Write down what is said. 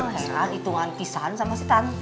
heran hitungan pisahan sama si tante